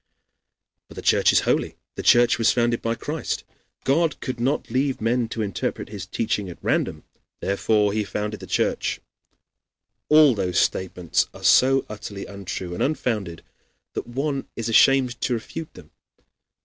But the Church is holy; the Church was founded by Christ. God could not leave men to interpret his teaching at random therefore he founded the Church. All those statements are so utterly untrue and unfounded that one is ashamed to refute them.